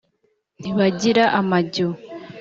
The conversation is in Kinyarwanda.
ntibagira amajyo